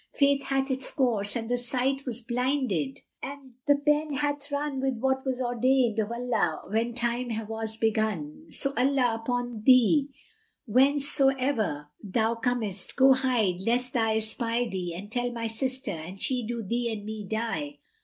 Fate hath had its course and the sight was blinded and the Pen hath run with what was ordained of Allah when Time was begun: so, Allah upon thee, whencesoever thou comest, go hide, lest any espy thee and tell my sister and she do thee and me die!"